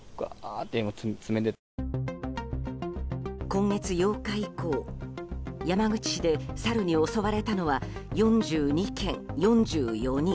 今月８日以降、山口市でサルに襲われたのは４２件、４４人。